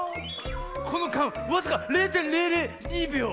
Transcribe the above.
このかんわずか０．００２びょう。